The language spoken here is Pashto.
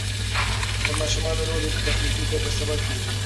د ماشومانو لوبې د تخلیقي فکر سبب کېږي.